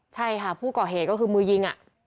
ใช่ค่ะผู้ก่อเหตุก็คือมือยิง